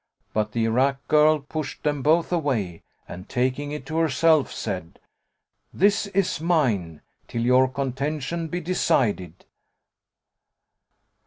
'" But the Irak girl pushed them both away and taking it to herself, said, "This is mine, till your contention be decided."